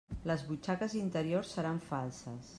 Les butxaques interiors seran falses.